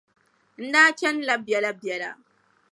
N daa chanila biɛlabiɛla.